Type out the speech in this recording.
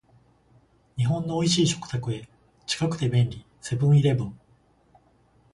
日本の美味しい食卓へ、近くて便利、セブンイレブン